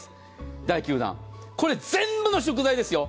第９弾、これ、全部の食材ですよ！